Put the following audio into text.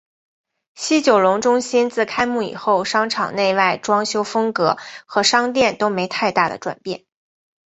西九龙中心自开幕以后商场内外装修风格和商店都没太大的转变。